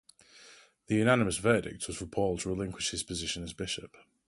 The unanimous verdict was for Paul to relinquish his position as bishop.